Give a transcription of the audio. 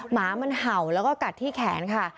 หมามันเห่าแล้วก็กัดที่แขนค่ะ